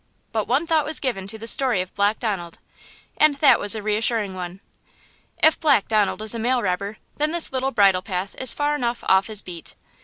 But one thought was given to the story of Black Donald, and that was a reassuring one: "If Black Donald is a mail robber, then this little bridlepath is far enough off his beat."